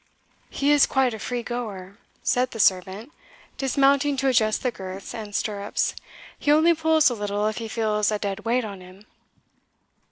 "He is quite a free goer," said the servant, dismounting to adjust the girths and stirrups, "he only pulls a little if he feels a dead weight on him."